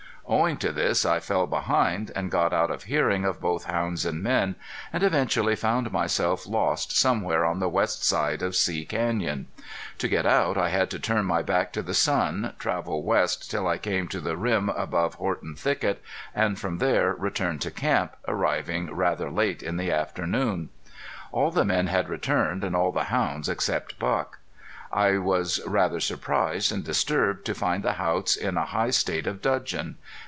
Owing to this I fell behind, and got out of hearing of both hounds and men, and eventually found myself lost somewhere on the west side of See Canyon. To get out I had to turn my back to the sun, travel west till I came to the rim above Horton Thicket, and from there return to camp, arriving rather late in the afternoon. All the men had returned, and all the hounds except Buck. I was rather surprised and disturbed to find the Haughts in a high state of dudgeon.